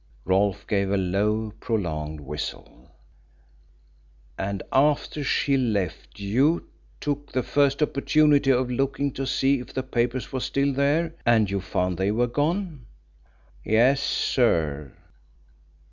"Whew!" Rolfe gave a low prolonged whistle. "And after she left you took the first opportunity of looking to see if the papers were still there, and you found they were gone?" "Yes, sir."